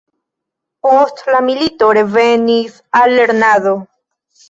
Post la milito revenis al lernado.